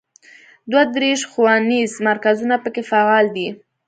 دوه دیرش ښوونیز مرکزونه په کې فعال دي.